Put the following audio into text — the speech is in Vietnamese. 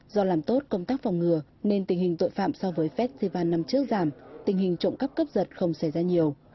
do làm tốt công tác phòng ngừa nên tình hình tội phạm so với festival năm trước giảm tình hình trộm cắp cướp giật không xảy ra nhiều